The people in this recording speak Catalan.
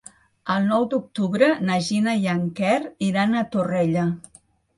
El nou d'octubre na Gina i en Quer iran a Torrella.